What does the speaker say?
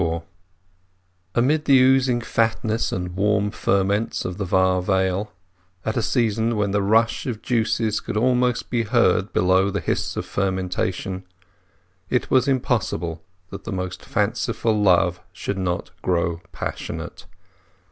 XXIV Amid the oozing fatness and warm ferments of the Froom Vale, at a season when the rush of juices could almost be heard below the hiss of fertilization, it was impossible that the most fanciful love should not grow passionate.